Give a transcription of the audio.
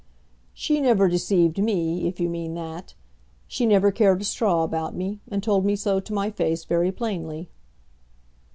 "She never deceived me, if you mean that. She never cared a straw about me, and told me so to my face very plainly."